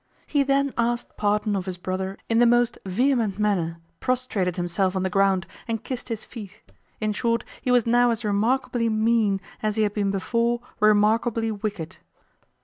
He then asked pardon of his brother in the most vehement manner, prostrated himself on the ground, and kissed his feet; in short he was now as remarkably mean as he had been before remarkably wicked.